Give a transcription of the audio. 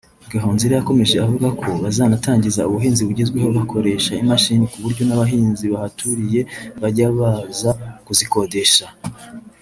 Gahonzire yakomeje avuga ko bazanatangiza ubuhinzi bugezweho bakoresha imashini ku buryo n’abahinzi bahaturiye bajya baza kuzikodesha